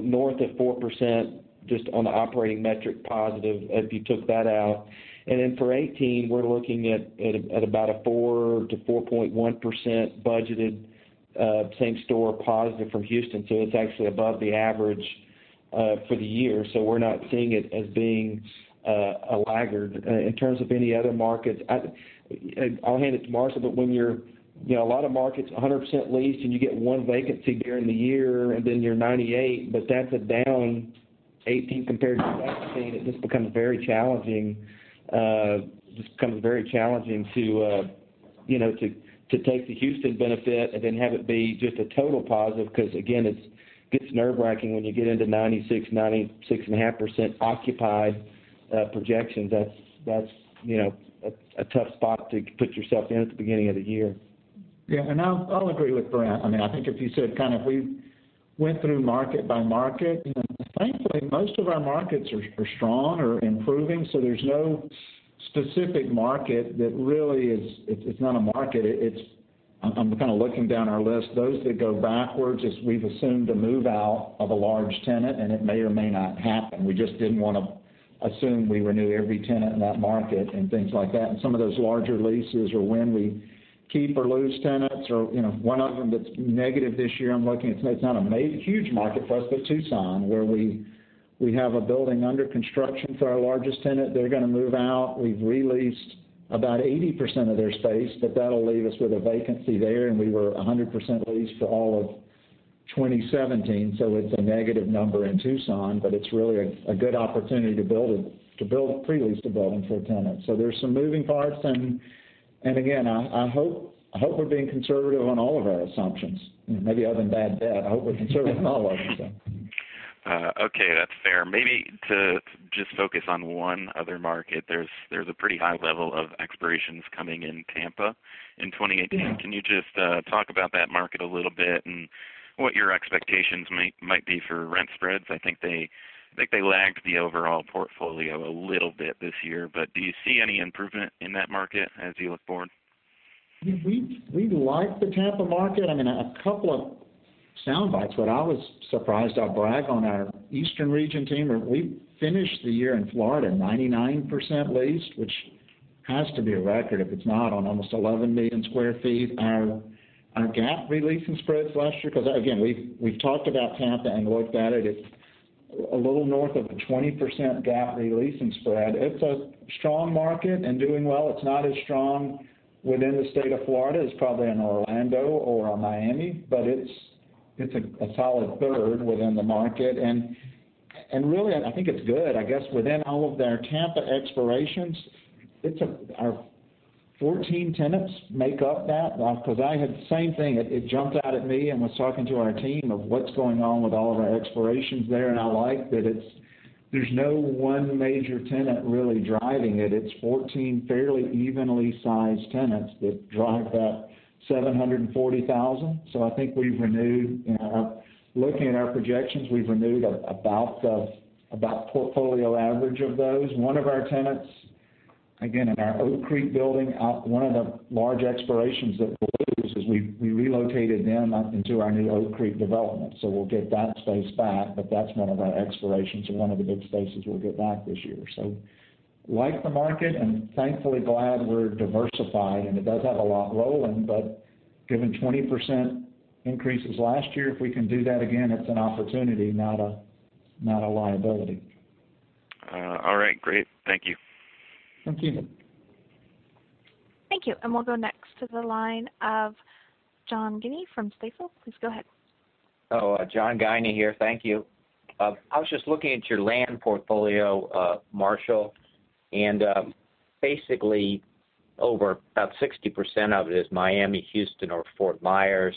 S4: north of 4%, just on the operating metric, positive if you took that out. Then for 2018, we're looking at about a 4%-4.1% budgeted same-store positive from Houston. It's actually above the average for the year. We're not seeing it as being a laggard. In terms of any other markets, I'll hand it to Marshall, but a lot of markets, 100% leased and you get one vacancy during the year and then you're 98, but that's a down 2018 compared to last year. It just becomes very challenging to take the Houston benefit and then have it be just a total positive. Because again, it gets nerve-wracking when you get into 96.5% occupied projections. That's a tough spot to put yourself in at the beginning of the year.
S2: Yeah, I'll agree with Brent. I think if you said kind of we went through market by market, thankfully, most of our markets are strong or improving. There's no specific market that really is. It's not a market, it's I'm kind of looking down our list. Those that go backwards is we've assumed a move-out of a large tenant, and it may or may not happen. We just didn't want to assume we renew every tenant in that market and things like that. Some of those larger leases are when we keep or lose tenants, or one of them that's negative this year, I'm looking, it's not a huge market for us, but Tucson, where we have a building under construction for our largest tenant. They're going to move out. We've re-leased about 80% of their space, but that'll leave us with a vacancy there, and we were 100% leased for all of 2017. It's a negative number in Tucson. It's really a good opportunity to build, pre-lease the building for a tenant. There's some moving parts, and again, I hope we're being conservative on all of our assumptions. Maybe other than bad debt, I hope we're conservative on all of them, so.
S11: Okay, that's fair. Maybe to just focus on one other market. There's a pretty high level of expirations coming in Tampa in 2018.
S2: Yeah.
S11: Can you just talk about that market a little bit and what your expectations might be for rent spreads? I think they lagged the overall portfolio a little bit this year, but do you see any improvement in that market as you look forward?
S2: We like the Tampa market. I mean, a couple of soundbites, but I was surprised. I'll brag on our Eastern region team. We finished the year in Florida 99% leased, which has to be a record, if it's not, on almost 11 million sq ft. Our GAAP re-leasing spreads last year, again, we've talked about Tampa and looked at it. It's a little north of a 20% GAAP re-leasing spread. It's a strong market and doing well. It's not as strong within the state of Florida as probably in Orlando or Miami, but it's a solid third within the market, and really, I think it's good. I guess within all of their Tampa expirations, 14 tenants make up that. I had the same thing. It jumped out at me and was talking to our team of what's going on with all of our expirations there, and I like that there's no one major tenant really driving it. It's 14 fairly evenly sized tenants that drive that 740,000 sq ft. I think, looking at our projections, we've renewed about portfolio average of those. One of our tenants, again, in our Oak Creek building, one of the large expirations that we'll lose is we relocated them into our new Oak Creek development. We'll get that space back, but that's one of our expirations, and one of the big spaces we'll get back this year. Like the market, and thankfully glad we're diversified, and it does have a lot rolling, but given 20% increases last year, if we can do that again, it's an opportunity, not a liability.
S11: All right. Great. Thank you.
S2: Thank you.
S1: Thank you. We'll go next to the line of John Guinee from Stifel. Please go ahead.
S12: Hello. John Guinee here. Thank you. I was just looking at your land portfolio, Marshall, and basically, over about 60% of it is Miami, Houston, or Fort Myers.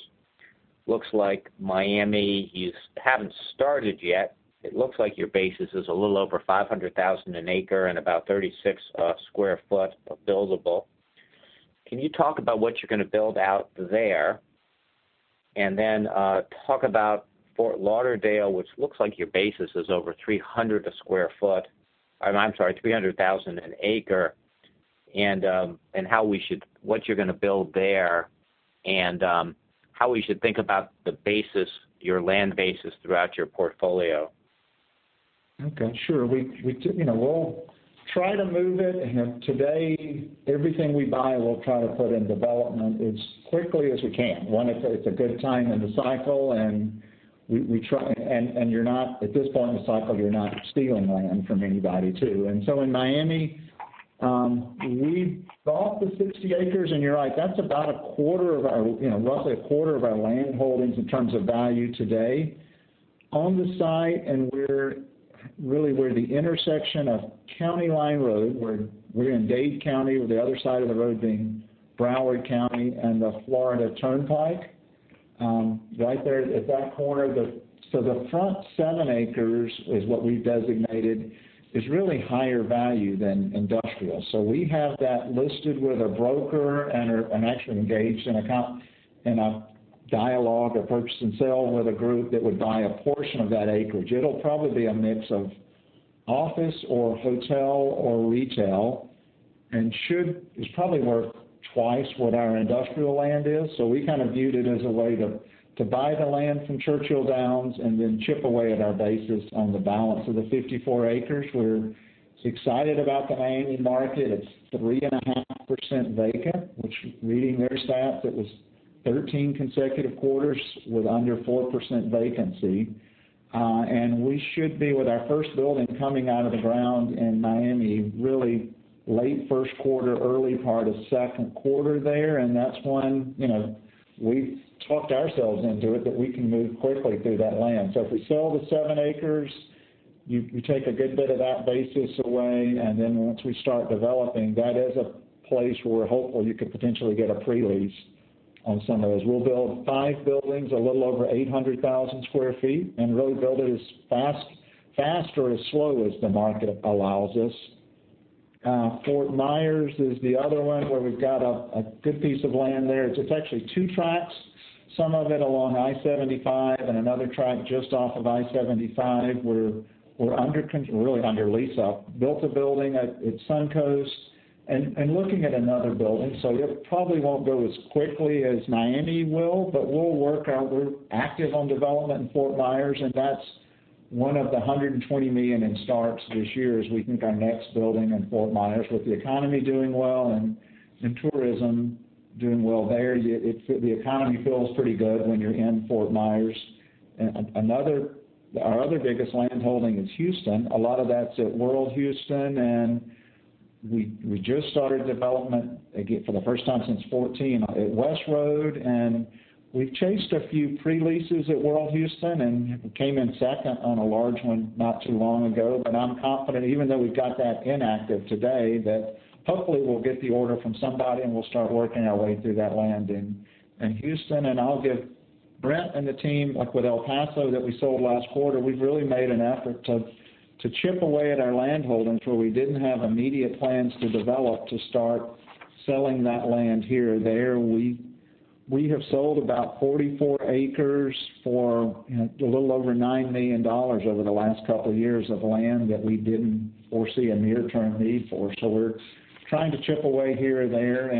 S12: Looks like Miami, you haven't started yet. It looks like your basis is a little over $500,000 an acre and about 36 sq ft buildable. Can you talk about what you're going to build out there? Then, talk about Fort Lauderdale, which looks like your basis is over $300,000 an acre, and what you're going to build there and how we should think about your land basis throughout your portfolio.
S2: Okay. Sure. We'll try to move it, and today, everything we buy, we'll try to put in development as quickly as we can. One, it's a good time in the cycle, and at this point in the cycle, you're not stealing land from anybody, too. In Miami, we bought the 60 acres, and you're right, that's about roughly a quarter of our land holdings in terms of value today. On the site, and we're really where the intersection of County Line Road, we're in Dade County, with the other side of the road being Broward County, and the Florida Turnpike. Right there at that corner, the front seven acres is what we've designated, is really higher value than industrial. We have that listed with a broker and are actually engaged in a dialogue of purchase and sale with a group that would buy a portion of that acreage. It'll probably be a mix of office or hotel or retail, It's probably worth twice what our industrial land is. We kind of viewed it as a way to buy the land from Churchill Downs and then chip away at our basis on the balance of the 54 acres. We're excited about the Miami market. It's 3.5% vacant, which reading their stats, it was 13 consecutive quarters with under 4% vacancy. We should be with our first building coming out of the ground in Miami, really late first quarter, early part of second quarter there, and that's when We've talked ourselves into it, that we can move quickly through that land. If we sell the seven acres, you take a good bit of that basis away, and then once we start developing, that is a place where hopefully you could potentially get a pre-lease on some of those. We'll build five buildings, a little over 800,000 sq ft, and really build it as fast or as slow as the market allows us. Fort Myers is the other one where we've got a good piece of land there. It's actually two tracts, some of it along I-75 and another tract just off of I-75. We're really under lease. Built a building at SunCoast and looking at another building. It probably won't go as quickly as Miami will, but we're active on development in Fort Myers, and that's one of the $120 million in starts this year is we think our next building in Fort Myers. With the economy doing well and tourism doing well there, the economy feels pretty good when you're in Fort Myers. Our other biggest land holding is Houston. A lot of that's at World Houston, and we just started development, again, for the first time since 2014, at West Road. We've chased a few pre-leases at World Houston and came in second on a large one not too long ago. I'm confident, even though we've got that inactive today, that hopefully we'll get the order from somebody, and we'll start working our way through that land in Houston. I'll give Brent and the team, like with El Paso that we sold last quarter, we've really made an effort to chip away at our land holdings where we didn't have immediate plans to develop to start selling that land here or there. We have sold about 44 acres for a little over $9 million over the last couple of years of land that we didn't foresee a near-term need for. We're trying to chip away here or there.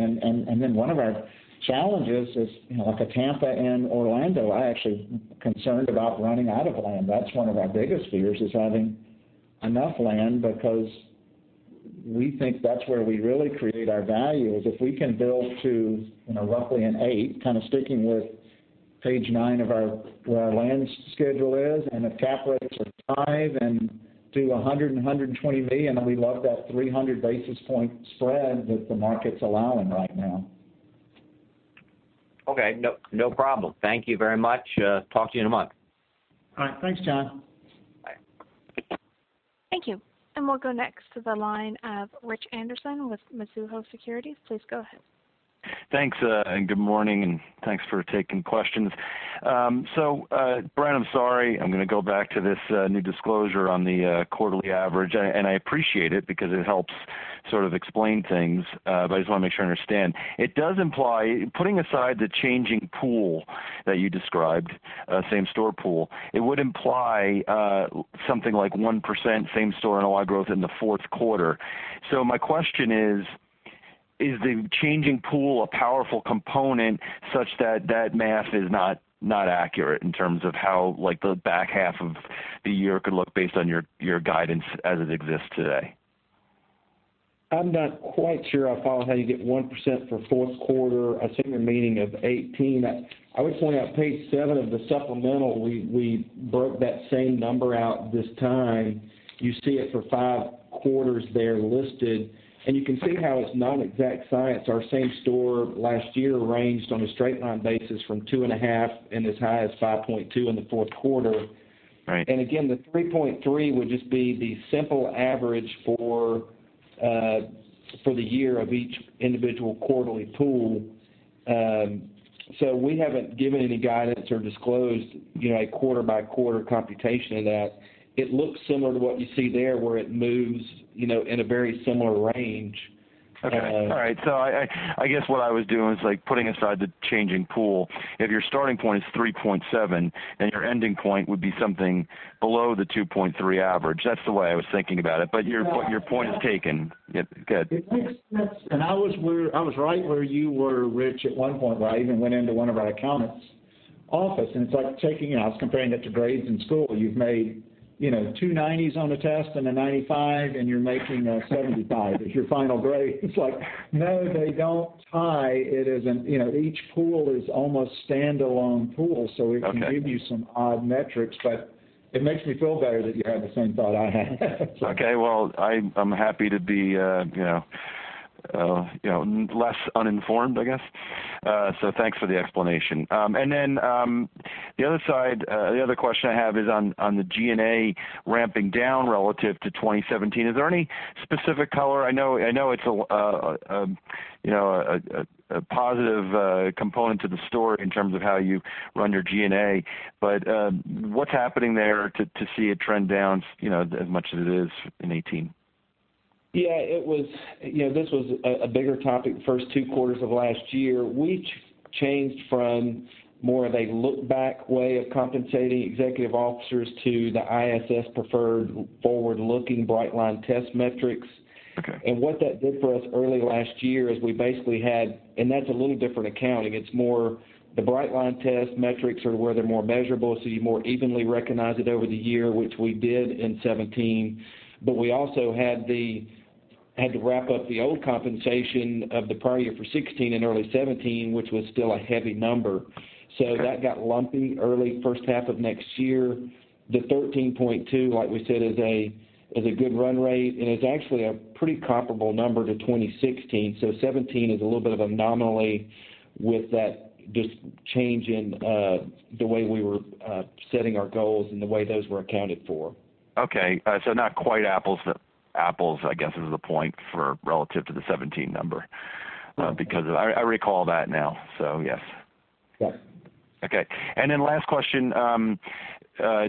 S2: One of our challenges is, like with Tampa and Orlando, I'm actually concerned about running out of land. That's one of our biggest fears is having enough land because we think that's where we really create our value is if we can build to roughly an 8, kind of sticking with page nine of where our land schedule is, if cap rates are 5 and do $100 million and $120 million, we love that 300 basis point spread that the market's allowing right now.
S12: Okay. No problem. Thank you very much. Talk to you in a month.
S2: All right. Thanks, John.
S1: Thank you. We'll go next to the line of Rich Anderson with Mizuho Securities. Please go ahead.
S13: Thanks, good morning, thanks for taking questions. Brent, I'm sorry, I'm going to go back to this new disclosure on the quarterly average, and I appreciate it because it helps sort of explain things. I just want to make sure I understand. It does imply, putting aside the changing pool that you described, same-store pool, it would imply something like 1% same-store NOI growth in the fourth quarter. My question is the changing pool a powerful component such that that math is not accurate in terms of how the back half of the year could look based on your guidance as it exists today?
S4: I'm not quite sure I follow how you get 1% for fourth quarter. I assume you're meaning of 2018. I would point out page seven of the supplemental, we broke that same number out this time. You see it for five quarters there listed, and you can see how it's not an exact science. Our same-store last year ranged on a straight line basis from two and a half and as high as 5.2 in the fourth quarter.
S13: Right.
S4: Again, the 3.3 would just be the simple average for the year of each individual quarterly pool. We haven't given any guidance or disclosed a quarter-by-quarter computation of that. It looks similar to what you see there, where it moves in a very similar range.
S13: Okay. All right. I guess what I was doing is, putting aside the changing pool, if your starting point is 3.7, then your ending point would be something below the 2.3 average. That's the way I was thinking about it. Your point is taken. Good.
S4: It makes sense. I was right where you were, Rich, at one point, where I even went into one of our accountants' office, and it's like I was comparing it to grades in school. You've made two 90s on a test and a 95, and you're making a 75 as your final grade. It's like, no, they don't tie. Each pool is almost a standalone pool.
S13: Okay.
S4: It can give you some odd metrics, it makes me feel better that you had the same thought I had.
S13: Okay. Well, I'm happy to be less uninformed, I guess. Thanks for the explanation. The other question I have is on the G&A ramping down relative to 2017. Is there any specific color? I know it's a positive component to the story in terms of how you run your G&A, but what's happening there to see it trend down as much as it is in 2018?
S4: Yeah. This was a bigger topic the first two quarters of last year. We changed from more of a look-back way of compensating executive officers to the ISS preferred forward-looking bright line test metrics.
S13: Okay.
S4: What that did for us early last year is that's a little different accounting. The bright line test metrics are where they're more measurable, so you more evenly recognize it over the year, which we did in 2017. We also had to wrap up the old compensation of the prior year for 2016 and early 2017, which was still a heavy number. That got lumpy early first half of next year. The 13.2, like we said, is a good run rate, and it's actually a pretty comparable number to 2016. 2017 is a little bit of an anomaly with that just change in the way we were setting our goals and the way those were accounted for.
S13: Okay. Not quite apples to apples, I guess, is the point for relative to the 2017 number.
S4: Right.
S13: I recall that now, yes.
S4: Yes.
S13: Okay. Last question,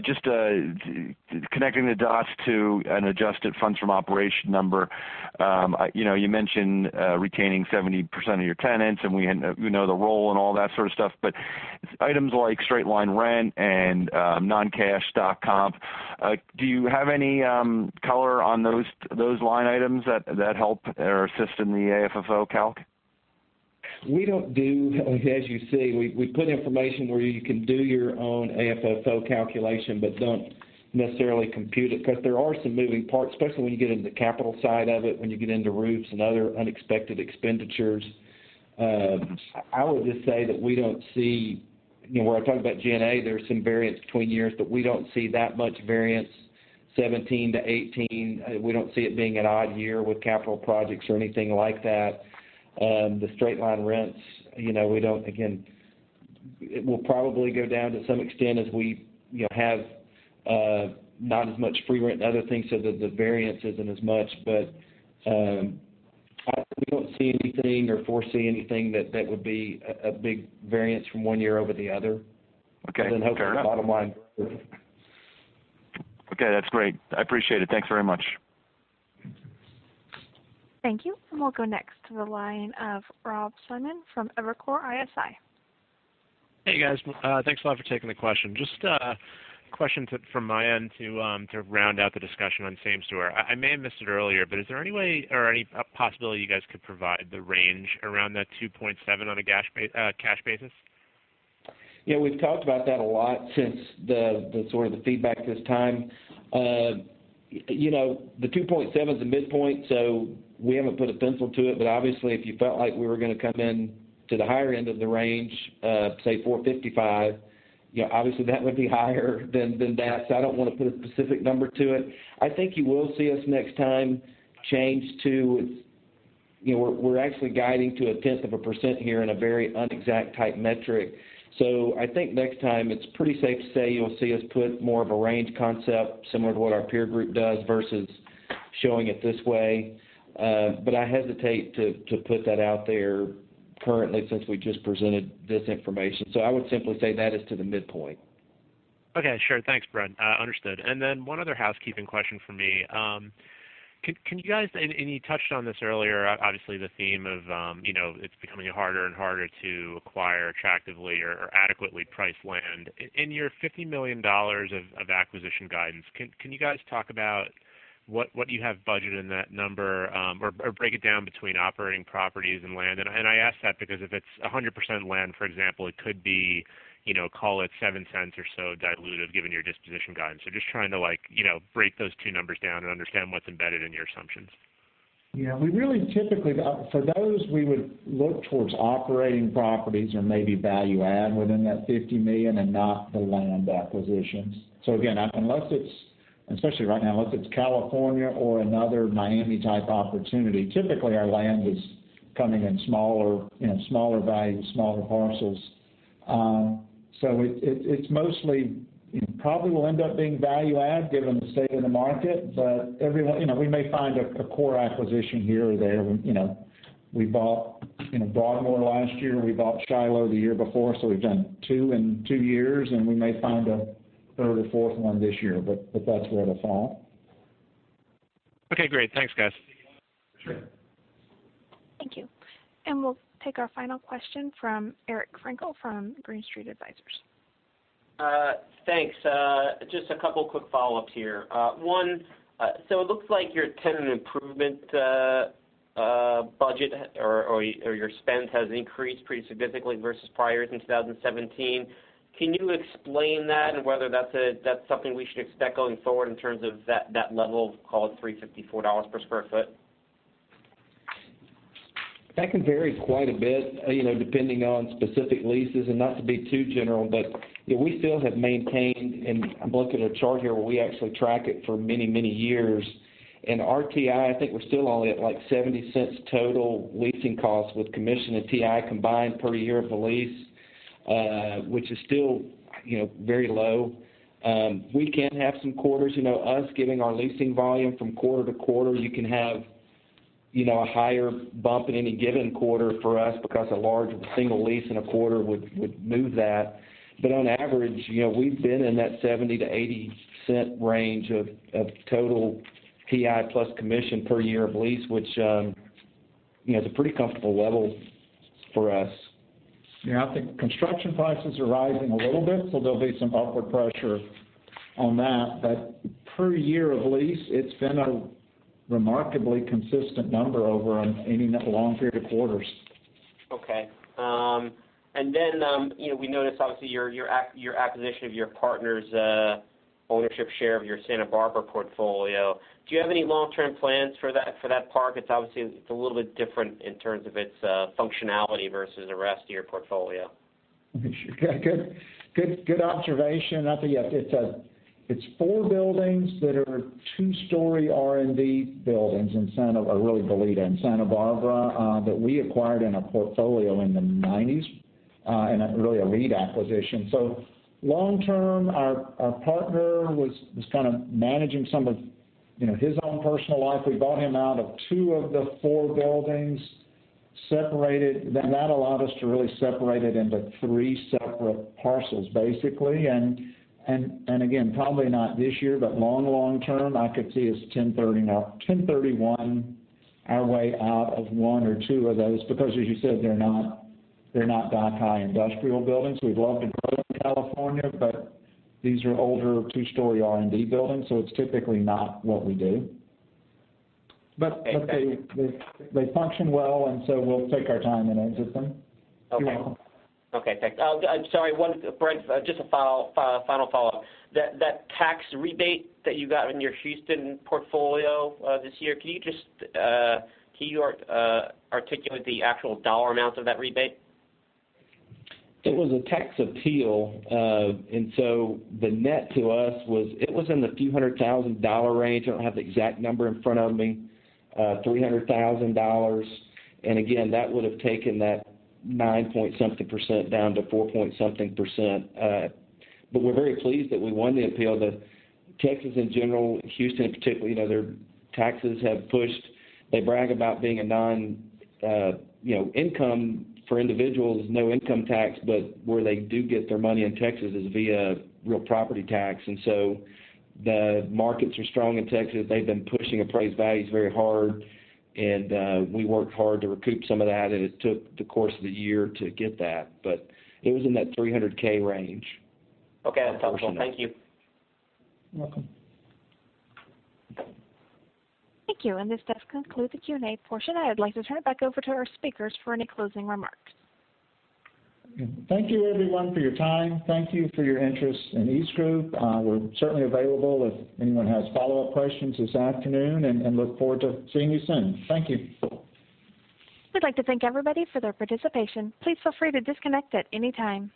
S13: just connecting the dots to an adjusted funds from operation number. You mentioned retaining 70% of your tenants, and we know the role and all that sort of stuff, items like straight-line rent and non-cash comp, do you have any color on those line items that help or assist in the AFFO calc?
S4: As you see, we put information where you can do your own AFFO calculation, don't necessarily compute it, there are some moving parts, especially when you get into the capital side of it, when you get into roofs and other unexpected expenditures. I would just say that we don't see, where I talked about G&A, there's some variance between years, we don't see that much variance 2017 to 2018. We don't see it being an odd year with capital projects or anything like that. The straight-line rents, it will probably go down to some extent as we have not as much free rent and other things so that the variance isn't as much. We don't see anything or foresee anything that would be a big variance from one year over the other.
S13: Okay. Fair enough.
S4: Then hope the bottom line grows.
S13: Okay, that's great. I appreciate it. Thanks very much.
S1: Thank you. We'll go next to the line of Rob Simone from Evercore ISI.
S14: Hey, guys. Thanks a lot for taking the question. Just a question from my end to round out the discussion on same-store. I may have missed it earlier, but is there any way or any possibility you guys could provide the range around that 2.7 on a cash basis?
S4: Yeah, we've talked about that a lot since the feedback this time. The 2.7's the midpoint, we haven't put a pencil to it, but obviously, if you felt like we were going to come in to the higher end of the range, say 455, obviously, that would be higher than that. I don't want to put a specific number to it. I think you will see us next time change to We're actually guiding to a tenth of a % here in a very un-exact type metric. I think next time it's pretty safe to say you'll see us put more of a range concept, similar to what our peer group does, versus showing it this way. I hesitate to put that out there currently, since we just presented this information. I would simply say that is to the midpoint.
S14: Okay, sure. Thanks, Brent. Understood. One other housekeeping question from me. Can you guys, and you touched on this earlier, obviously the theme of it's becoming harder and harder to acquire attractively or adequately priced land. In your $50 million of acquisition guidance, can you guys talk about what you have budgeted in that number? Break it down between operating properties and land. I ask that because if it's 100% land, for example, it could be, call it $0.07 or so dilutive given your disposition guidance. Just trying to break those two numbers down and understand what's embedded in your assumptions.
S2: Yeah. For those, we would look towards operating properties or maybe value-add within that $50 million and not the land acquisitions. Again, especially right now, unless it's California or another Miami-type opportunity, typically our land is coming in smaller value, smaller parcels. It probably will end up being value-add given the state of the market. We may find a core acquisition here or there. We bought Broadmoor last year. We bought Shiloh the year before. We've done two in two years, and we may find a third or fourth one this year, that's where to fall.
S14: Okay, great. Thanks, guys.
S2: Sure.
S1: Thank you. We'll take our final question from Eric Frankel from Green Street Advisors.
S8: Thanks. Just a couple quick follow-ups here. One, it looks like your tenant improvement budget or your spend has increased pretty significantly versus priors in 2017. Can you explain that and whether that's something we should expect going forward in terms of that level of call it $354 per square foot?
S4: That can vary quite a bit, depending on specific leases and not to be too general, but we still have maintained, and I'm looking at a chart here where we actually track it for many, many years. TI, I think we're still only at $0.70 total leasing costs with commission and TI combined per year of the lease, which is still very low. We can have some quarters, us giving our leasing volume from quarter-to-quarter, you can have a higher bump in any given quarter for us because a large single lease in a quarter would move that. On average, we've been in that $0.70-$0.80 range of total TI plus commission per year of lease, which is a pretty comfortable level for us.
S2: Yeah. I think construction prices are rising a little bit, so there'll be some upward pressure on that. Per year of lease, it's been a remarkably consistent number over any long period of quarters.
S8: Okay. We noticed obviously your acquisition of your partner's ownership share of your Santa Barbara portfolio. Do you have any long-term plans for that park? It's a little bit different in terms of its functionality versus the rest of your portfolio.
S2: Good observation. I think it's four buildings that are two-story R&D buildings, really the lead in Santa Barbara, that we acquired in a portfolio in the 1990s, really a lead acquisition. Long-term, our partner was kind of managing some of his own personal life. We bought him out of two of the four buildings. That allowed us to really separate it into three separate parcels, basically. Again, probably not this year, but long, long term, I could see us 1031 our way out of one or two of those, because as you said, they're not dock-high industrial buildings. We'd love to grow in California, these are older two-story R&D buildings, it's typically not what we do. They function well, we'll take our time and exit them.
S8: Okay. Thanks. Sorry, Brent, just a final follow-up. That tax rebate that you got in your Houston portfolio this year, can you articulate the actual dollar amount of that rebate?
S4: It was a tax appeal. The net to us was, it was in the few hundred thousand dollar range. I don't have the exact number in front of me, $300,000. Again, that would have taken that nine-point something% down to four-point something%. We're very pleased that we won the appeal. Texas in general, Houston in particular, their taxes have pushed They brag about being a non-income for individuals, no income tax. Where they do get their money in Texas is via real property tax. The markets are strong in Texas. They've been pushing appraised values very hard, and we worked hard to recoup some of that, and it took the course of the year to get that. It was in that $300,000 range.
S8: Okay. That's helpful. Thank you.
S4: You're welcome.
S1: Thank you. This does conclude the Q&A portion. I would like to turn it back over to our speakers for any closing remarks.
S2: Thank you everyone for your time. Thank you for your interest in EastGroup. We're certainly available if anyone has follow-up questions this afternoon, and look forward to seeing you soon. Thank you.
S1: We'd like to thank everybody for their participation. Please feel free to disconnect at any time.